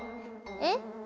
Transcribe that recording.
えっ？